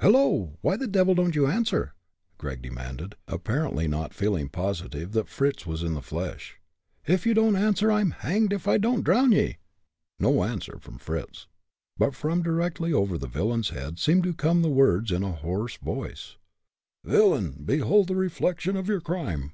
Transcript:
"Hello! why the devil don't you answer?" Gregg demanded; apparently not feeling positive that Fritz was in the flesh. "If you don't answer, I'm hanged if I don't drown ye." No answer from Fritz. But from directly over the villain's head seemed to come the words, in a hoarse voice: "Villain, behold the reflection of your crime!"